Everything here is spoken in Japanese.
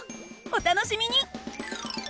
お楽しみに！